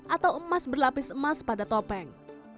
atau emas berlapis emas pada topeng